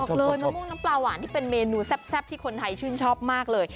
เลยมะม่วงน้ำปลาหวานที่เป็นเมนูแซ่บที่คนไทยชื่นชอบมากเลย